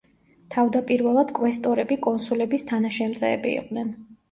თავდაპირველად კვესტორები კონსულების თანაშემწეები იყვნენ.